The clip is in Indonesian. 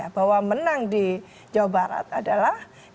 bahwa menang di jawa barat adalah